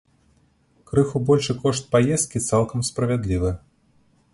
Крыху большы кошт паездкі цалкам справядлівы.